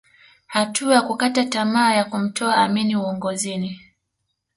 Hatua ya kukata tamaa ya kumtoa Amin uongozini